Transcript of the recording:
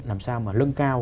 làm sao mà lân cao